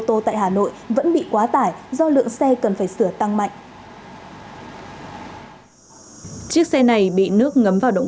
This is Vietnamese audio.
tô tại hà nội vẫn bị quá tải do lượng xe cần phải sửa tăng mạnh chiếc xe này bị nước ngấm vào động